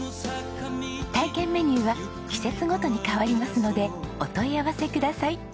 体験メニューは季節ごとに変わりますのでお問い合わせください。